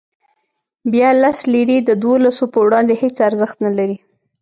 بیا لس لیرې د دولسو په وړاندې هېڅ ارزښت نه لري.